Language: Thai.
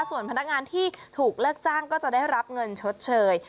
ส่วนพนักงานที่ถูกเลิกจ้างก็จะได้รับเงินชดเชย